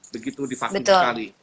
begitu divaksin sekali